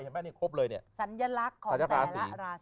ไหมนี่ครบเลยเนี่ยสัญลักษณ์ของแต่ละราศี